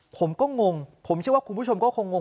ผมก็งงผมเชื่อว่าคุณผู้ชมก็คงง